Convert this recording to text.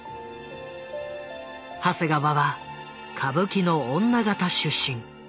長谷川は歌舞伎の女形出身。